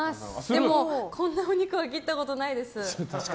でもこんなの肉は切ったことないです。